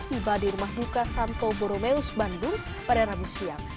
tiba di rumah duka santo boromeus bandung pada rabu siang